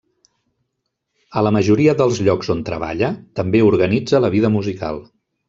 A la majoria dels llocs on treballa, també organitza la vida musical.